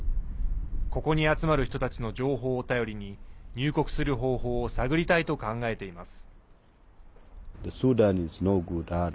ここに集まる人たちの情報を頼りに入国する方法を探りたいと考えています。